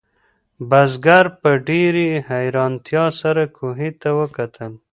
بزګر په ډېرې حیرانتیا سره کوهي ته وکتل.